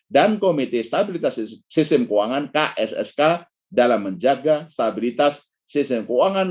dan komite stabilitas sistem keuangan dalam menjaga stabilitas sistem keuangan